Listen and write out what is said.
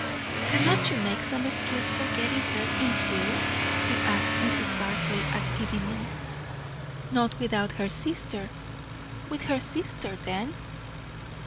"Cannot you make some excuse for getting her in here?" he asked Mrs. Barclay at evening. "Not without her sister." "With her sister, then."